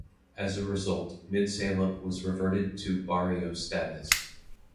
As a result, Midsalip was reverted to barrio status.